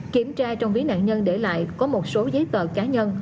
kiểm tra trong ví nạn nhân để lại có một số giấy tờ cá nhân